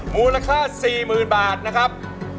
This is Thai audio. มูลค่า๔๐๐๐บาทนะครับ